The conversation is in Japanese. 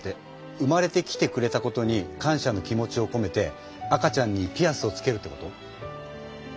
生まれてきてくれたことに感謝の気持ちをこめて赤ちゃんにピアスをつけるってこと？